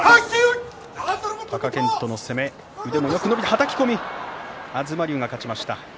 はたき込み、東龍が勝ちました。